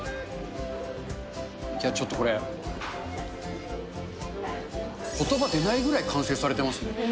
ちょっとこれ、ことば出ないぐらい完成されてますね。